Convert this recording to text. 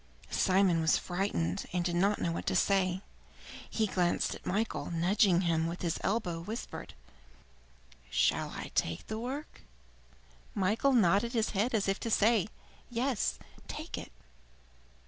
Simon was frightened, and did not know what to say. He glanced at Michael and nudging him with his elbow, whispered: "Shall I take the work?" Michael nodded his head as if to say, "Yes, take it."